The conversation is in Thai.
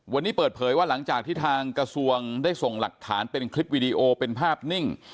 วันนี้เปิดเผยว่าหลังจากที่ทางกระทรวงได้ส่งหลักฐานเป็นคลิปวีดีโอเป็นภาพนิ่ง